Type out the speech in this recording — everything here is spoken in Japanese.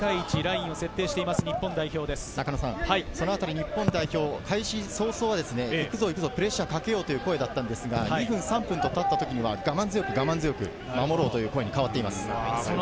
日本代表、開始早々は行くぞ行くぞとプレッシャーをかけようという声でしたが２分、３分とたった時には我慢強く守ろうという声に変わっています。